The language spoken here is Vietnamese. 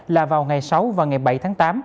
là vào ngày sáu và ngày bảy tháng tám